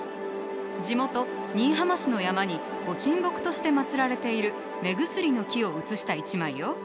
地元新居浜市の山にご神木として祭られているメグスリノキを写した一枚よ。